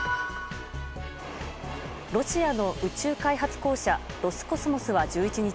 ロシアの宇宙開発公社ロスコスモスは１１日